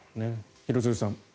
廣津留さん。